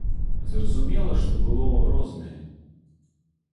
Зразумела, што было рознае.